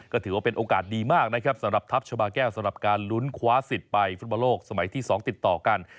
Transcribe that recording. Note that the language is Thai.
ก็ถือว่าเป็นโอกาสดีมากนะครับสำหรับทัพชาบาแก้วสำหรับการลุ้นคว้าสิทธิ์ไปฟุตบอลโลกสมัยที่๒ติดต่อกัน